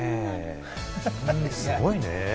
すごいね。